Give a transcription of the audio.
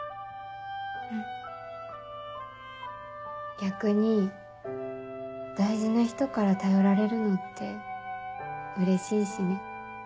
逆に大事な人から頼られるのってうれしいしね。